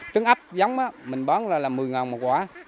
trứng ấp giống mình bán ra là một mươi một quả